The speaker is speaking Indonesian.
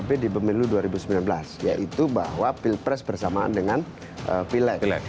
di pemilu dua ribu sembilan belas yaitu bahwa pilpres bersamaan dengan pileg